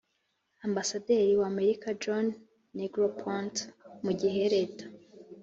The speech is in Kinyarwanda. ambasaderi w'amerika john negroponte mu gihe leta